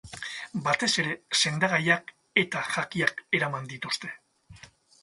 Batez ere, sendagaiak eta jakiak eraman dituzte.